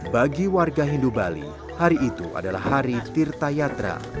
bagi warga hindu bali hari itu adalah hari tirta yatra